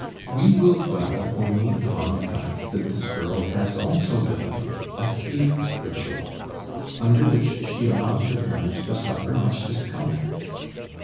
We will dwell only upon the fact that this girl has also developed a sleep ritual, under which she allows her parents to suffer much discomfort.